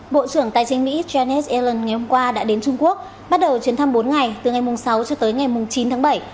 bộ trưởng tài chính mỹ janet elon ngày hôm qua đã đến trung quốc bắt đầu chuyến thăm bốn ngày từ ngày sáu cho tới ngày chín tháng bảy